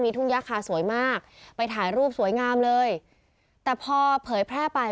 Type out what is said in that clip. ทุ่งย่าคาสวยมากไปถ่ายรูปสวยงามเลยแต่พอเผยแพร่ไป